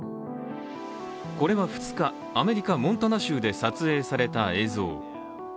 これは２日、アメリカ・モンタナ州で撮影された映像。